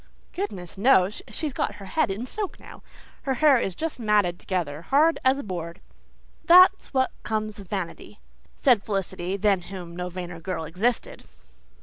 "Goodness knows. She's got her head in soak now. Her hair is just matted together hard as a board. That's what comes of vanity," said Felicity, than whom no vainer girl existed.